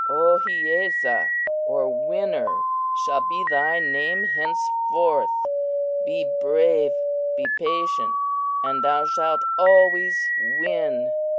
"Ohiyesa (or Winner) shall be thy name henceforth. Be brave, be patient and thou shalt always win!